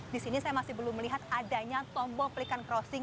di sini saya masih belum melihat adanya tombol pelikan crossing